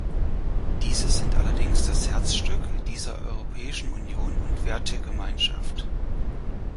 Diese sind allerdings das Herzstück dieser Europäischen Union und Wertegemeinschaft.